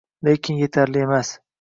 Lekin etarli emas